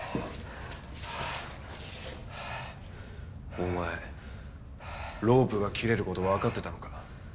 お前ロープが切れる事わかってたのか？